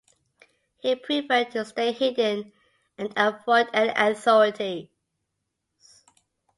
He preferred to stay hidden and avoid any authorities.